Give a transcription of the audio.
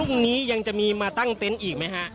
ยังจะมีมาตั้งเต็นต์อีกไหมฮะ